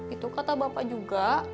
itu kata bapak juga